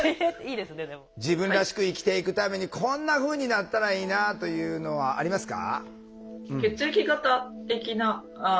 自分らしく生きていくためにこんなふうになったらいいなというのはありますか？